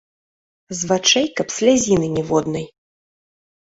З вачэй каб слязіны ніводнай.